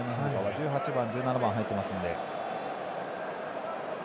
１８番、１７番が入ってますので。